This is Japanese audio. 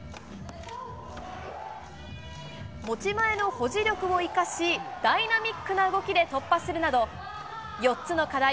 持ち前の保持力を生かし、ダイナミックな動きで突破するなど、４つの課題